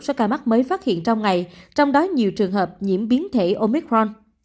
số ca mắc mới phát hiện trong ngày trong đó nhiều trường hợp nhiễm biến thể omicron